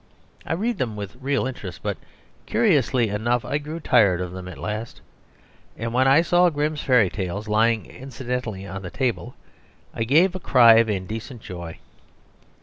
I read them with real interest, but, curiously enough, I grew tired of them at last, and when I saw "Grimm's Fairy Tales" lying accidentally on the table, I gave a cry of indecent joy.